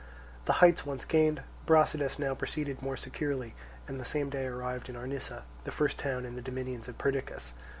The heights once gained, Brasidas now proceeded more securely, and the same day arrived at Arnisa, the first town in the dominions of Perdiccas.